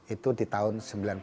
itu di tahun sembilan puluh sembilan